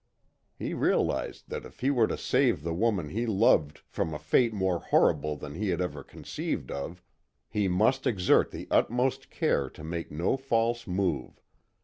He realized that if he were to save the woman he loved from a fate more horrible than he had ever conceived of, he must exert the utmost care to make no false move.